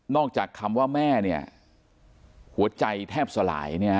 นอกจากคำว่าแม่หัวใจแทบสลาย